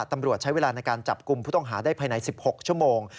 ตำรวจใช้เวลาในการจับกลุ่มผู้ต้องหาได้ภายใน๑๖ชั่วโมง